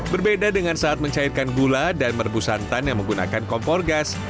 berbeda dengan saat mencairkan gula dan merebus santan yang menggunakan kompor gas